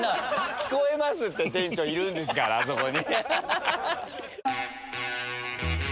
聞こえますって店長いるんですからあそこに。